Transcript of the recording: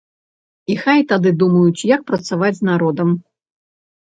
І хай тады думаюць, як працаваць з народам.